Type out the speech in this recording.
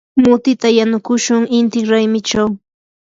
mutita yanukushun inti raymichaw.